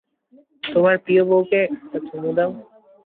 তোমার প্রিয় বউকে একটু চুমু দাও!